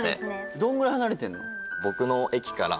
どんぐらい離れてるの？